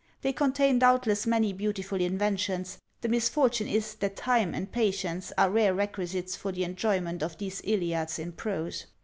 They contain doubtless many beautiful inventions; the misfortune is, that time and patience are rare requisites for the enjoyment of these Iliads in prose.